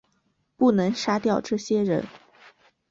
不能杀掉这些人